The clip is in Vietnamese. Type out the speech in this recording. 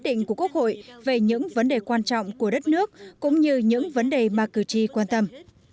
định của quốc hội về những vấn đề quan trọng của đất nước cũng như những vấn đề mà cử tri quan tâm